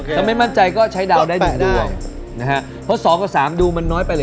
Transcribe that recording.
ถ้าไม่มั่นใจก็ใช้ดาวได้๑ดวงนะฮะเพราะสองกับสามดูมันน้อยไปเลย